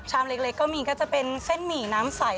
เล็กก็มีก็จะเป็นเส้นหมี่น้ำใส